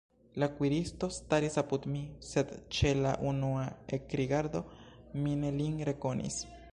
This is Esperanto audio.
La kuiristo staris apud mi, sed ĉe la unua ekrigardo mi ne lin rekonis.